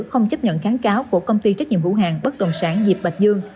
không chấp nhận kháng cáo của công ty trách nhiệm hữu hàng bất đồng sản diệp bạch dương